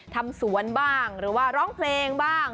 ทำสวนบ้างหรือว่าร้องเพลงบ้าง